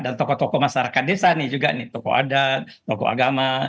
dan tokoh tokoh masyarakat desa ini juga nih tokoh adat tokoh agama